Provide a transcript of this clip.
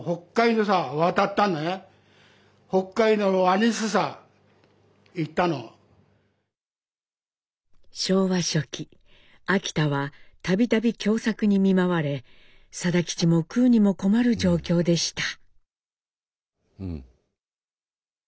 それで昭和初期秋田はたびたび凶作に見舞われ定吉も食うにも困る状況でした。